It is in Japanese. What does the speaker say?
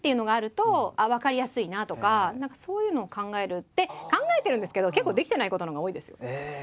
何かそういうのを考えるって考えてるんですけど結構できてないことのほうが多いですよ。